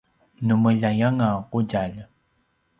nu meljai anga qudjalj